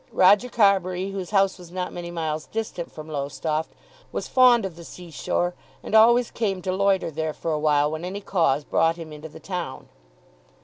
Roger Carbury, whose house was not many miles distant from Lowestoft, was fond of the sea shore, and always came to loiter there for a while when any cause brought him into the town.